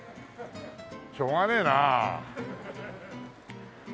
しょうがねえなあ。